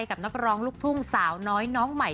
กับนักร้องลูกทุ่งสาวน้อยน้องใหม่